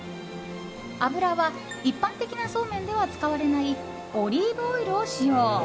油は、一般的なそうめんでは使われないオリーブオイルを使用。